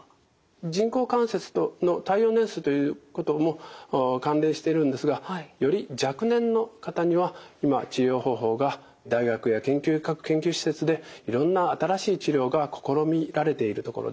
人工関節の耐用年数ということも関連してるんですがより若年の方には今治療方法が大学や各研究施設でいろんな新しい治療が試みられているところです。